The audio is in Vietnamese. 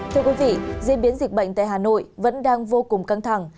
thưa quý vị diễn biến dịch bệnh tại hà nội vẫn đang vô cùng căng thẳng